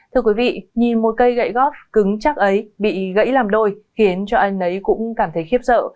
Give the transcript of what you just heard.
thưa quý vị nhìn một cây gậy góp cứng chắc ấy bị gãy làm đôi khiến cho anh ấy cũng cảm thấy khiếp sợ